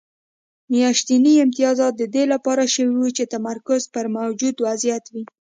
میاشتني امتیازات د دې لامل شوي وو چې تمرکز پر موجود وضعیت وي